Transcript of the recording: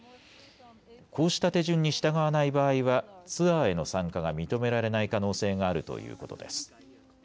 こうした手順に従わない場合はツアーへの参加が認められない可能性があるということです。